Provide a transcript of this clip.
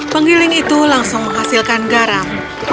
penggiling itu langsung menghasilkan garam